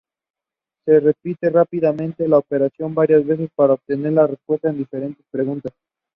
Se repite rápidamente la operación varias veces para obtener la respuesta a diferentes preguntas.